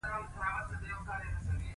منګي چاټۍ او نور هم مشهور دي.